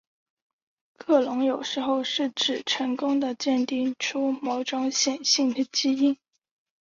克隆有时候是指成功地鉴定出某种显性的基因。